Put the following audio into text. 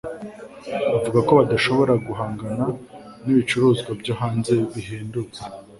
Bavuga ko badashobora guhangana n'ibicuruzwa byo hanze bihendutse.